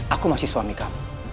aku masih suami kamu